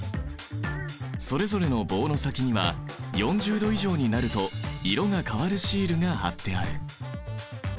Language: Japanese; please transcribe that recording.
それぞれの棒の先には４０℃以上になると色が変わるシールが貼ってある。